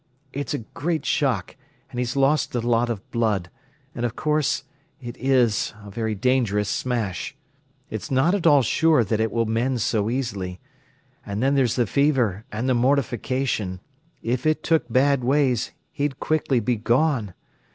It's a great shock, and he's lost a lot of blood; and, of course, it is a very dangerous smash. It's not at all sure that it will mend so easily. And then there's the fever and the mortification—if it took bad ways he'd quickly be gone.